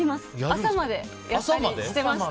朝までやったりしていました。